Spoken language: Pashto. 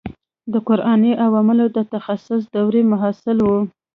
د قراني علومو د تخصص دورې محصل وم.